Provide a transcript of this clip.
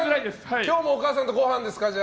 今日もお母さんとごはんですか。